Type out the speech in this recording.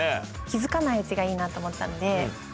気付かないうちがいいなと思ったんで。